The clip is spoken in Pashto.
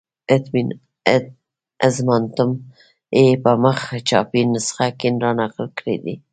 اظماننتم یې په مخ چاپي نسخه کې را نقل کړی دی.